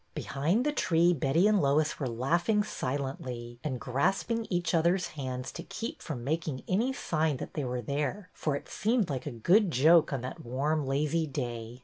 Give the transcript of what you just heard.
Behind the tree Betty and Lois were laughing silently, and grasping each other's hands to keep from making any sign that they were there, for it seemed a good joke on that warm, lazy day.